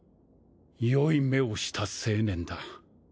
良い目をした青年だ。